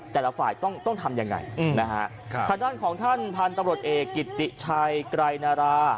แต่ละฝ่ายต้องต้องทำยังไงอืมนะฮะค่ะท่านท่านพันธรรมรสเอกิติชัยไกรนารา